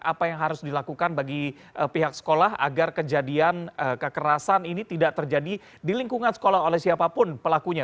apa yang harus dilakukan bagi pihak sekolah agar kejadian kekerasan ini tidak terjadi di lingkungan sekolah oleh siapapun pelakunya